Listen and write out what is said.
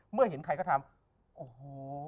เมื่อเห็นใครก็ทำโอ้โห